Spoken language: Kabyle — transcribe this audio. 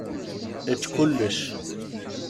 Ečč kullec.